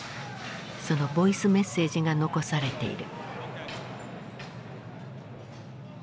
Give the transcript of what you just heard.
そのボイスメッセージが残されている。